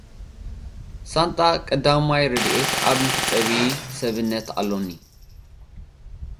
ሳንጣ ቀዳማይ ረድኤት ኣብ መሕጸቢ ሰብነት ኣሎኒ።